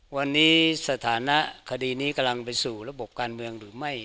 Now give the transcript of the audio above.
วันนี้สถานะคดีนี้กำลังไปสู่ระบบการเมืองหรือไม่